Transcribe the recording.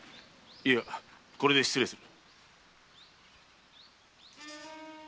いやこれで失礼する。